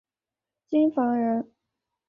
京房人。